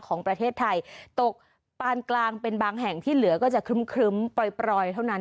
ของประเทศไทยตกปานกลางเป็นบางแห่งที่เหลือก็จะครึ้มปล่อยเท่านั้น